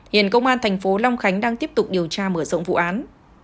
hiện công an thành phố long khánh đang tiếp tục điều tra mở rộng vụ án